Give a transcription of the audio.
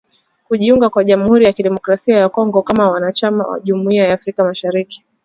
kujiunga kwa jamhuri ya kidemokrasia ya Kongo kama mwanachama wa jumuia ya Afrika Mashariki